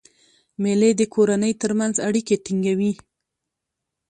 مېلې د کورنۍ ترمنځ اړیکي ټینګوي.